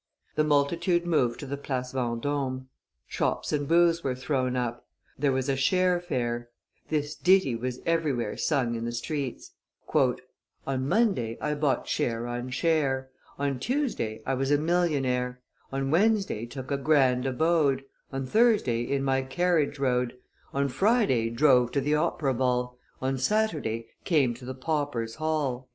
The multitude moved to the Place Vendome; shops and booths were thrown up; there was a share fair; this ditty was everywhere sung in the streets: [Illustration: La Rue Quincampoix 68] "On On Monday I bought share on share; On Tuesday I was a millionaire; On Wednesday took a grand abode; On Thursday in my carriage rode; On Friday drove to the Opera ball; On Saturday came to the paupers' hall."